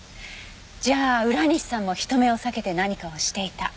じゃあ浦西さんも人目を避けて何かをしていた。